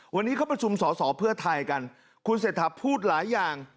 วันนี้เขาประชุมสอสอเพื่อไทยกันคุณเศรษฐาพูดหลายอย่าง